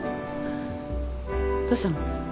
どうしたの？